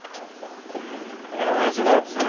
いやおやじのやつ